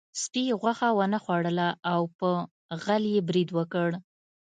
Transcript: سپي غوښه ونه خوړله او په غل یې برید وکړ.